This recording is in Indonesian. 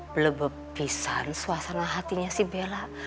belebep pisan suasana hatinya si bella